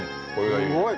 すごい。